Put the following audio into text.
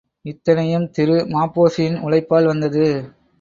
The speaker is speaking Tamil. இத்தனையும் திரு ம.பொ.சியின் உழைப்பால் வந்தது.